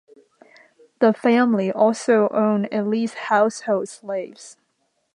The family also owned at least household slaves.